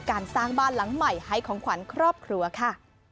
การสร้างบ้านหลังใหม่ให้ของขวัญครอบครัวค่ะ